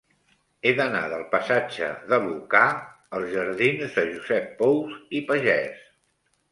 He d'anar del passatge de Lucà als jardins de Josep Pous i Pagès.